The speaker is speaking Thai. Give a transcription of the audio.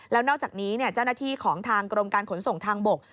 แล้วนอกจากนี้เจ้าหน้าที่ของทางกรมการขนส่งทางบก